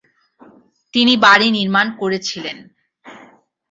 তিনি বাড়ি নির্মাণ করেছিলেন।